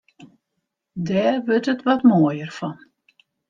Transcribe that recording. Dêr wurdt it wat moaier fan.